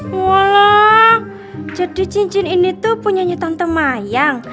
walah jadi cincin ini tuh punya nyetang temayang